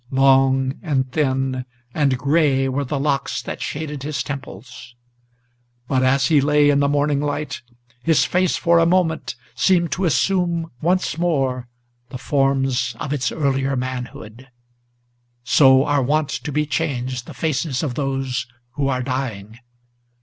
Long, and thin, and gray were the locks that shaded his temples; But, as he lay in the morning light, his face for a moment Seemed to assume once more the forms of its earlier manhood; So are wont to be changed the faces of those who are dying.